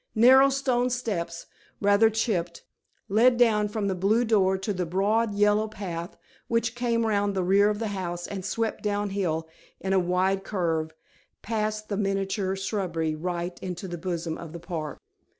Narrow stone steps, rather chipped, led down from the blue door to the broad, yellow path, which came round the rear of the house and swept down hill in a wide curve, past the miniature shrubbery, right into the bosom of the park.